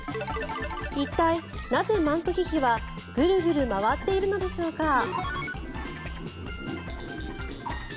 一体、なぜマントヒヒはグルグル回っているのでしょうか。